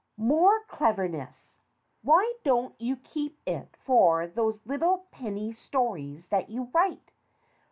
"More cleverness ! Why don't you keep it for those little penny stories that you write?